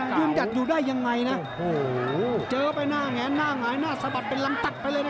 โอ้โหเจอไปชุบใหญ่ชุบใหญ่นี่ไงเอาหล่นเอาหล่นเอาหล่นเนี่ย